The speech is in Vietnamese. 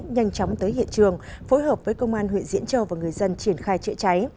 nhanh chóng tới hiện trường phối hợp với công an huyện diễn châu và người dân triển khai chữa cháy